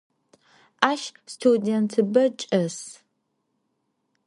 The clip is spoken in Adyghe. Aş studêntıbe çç'es.